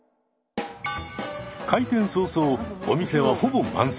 開店早々お店はほぼ満席に。